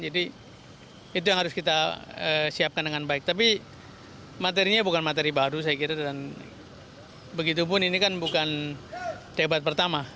jadi itu yang harus kita siapkan dengan baik tapi materinya bukan materi baru saya kira dan begitu pun ini kan bukan debat pertama